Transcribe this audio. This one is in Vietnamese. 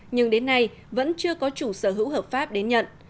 nhưng đến nay vẫn chưa có chủ sở hữu hợp pháp đến nhận